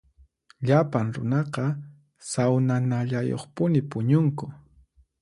Llapan runaqa sawnanallayuqpuni puñunku.